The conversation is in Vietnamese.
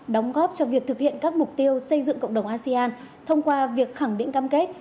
đóng góp cho việc thực hiện các mục tiêu xây dựng cộng đồng asean thông qua việc khẳng định cam kết